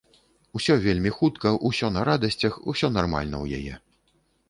Усё вельмі хутка, усё на радасцях, усё нармальна ў яе.